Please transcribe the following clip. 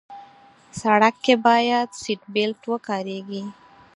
سړک کې باید سیټ بیلټ وکارېږي.